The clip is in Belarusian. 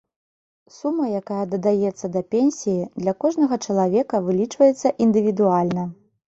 Сума, якая дадаецца да пенсіі, для кожнага чалавека вылічваецца індывідуальна.